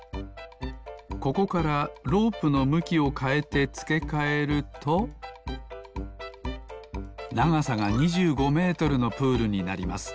ここからロープのむきをかえてつけかえるとながさが２５メートルのプールになります